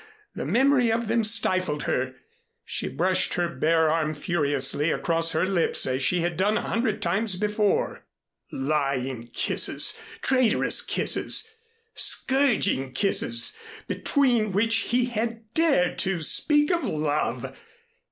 The memory of them stifled her. She brushed her bare arm furiously across her lips as she had done a hundred times before. Lying kisses, traitorous kisses, scourging kisses, between which he had dared to speak of love!